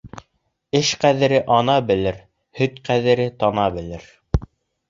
Эш ҡәҙерен ана белер, һөт ҡәҙерен тана белер.